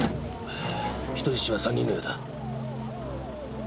人質は３人のようだ。